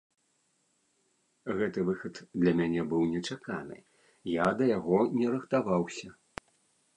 Гэты выхад для мяне быў нечаканы, я да яго не рыхтаваўся.